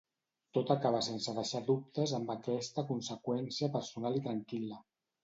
Tot acaba sense deixar dubtes amb aquesta conseqüència personal i tranquil·la.